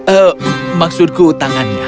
eh maksudku tangannya